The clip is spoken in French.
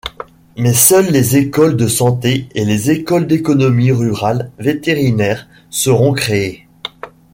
Mais seules les écoles de santé et les écoles d'économie rurale vétérinaire seront créées.